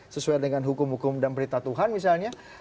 sesuai dengan hukum hukum dan berita tuhan misalnya